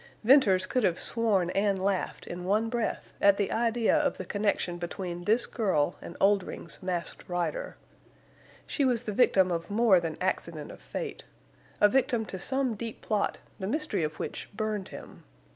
Venters could have sworn and laughed in one breath at the idea of the connection between this girl and Oldring's Masked Rider. She was the victim of more than accident of fate—a victim to some deep plot the mystery of which burned him.